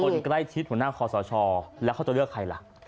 พอเป็นคนใกล้ชิดผู้น่าขอสชแล้วเขาจะเลือกใครล่ะ